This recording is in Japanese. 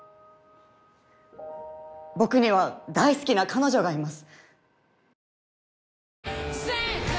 僕には大好きな彼女がいます。